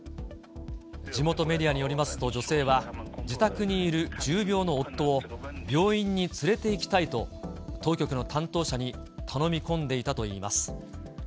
地元メディアによりますと女性は、自宅にいる重病の夫を病院に連れていきたいと、当局の担当者に頼み込んでいたといいます。